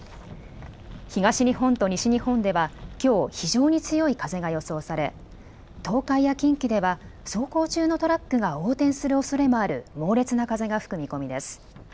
東日本と西日本ではきょう非常に強い風が予想され東海や近畿では走行中のトラックが横転するおそれもある猛烈な風が吹く見込みです。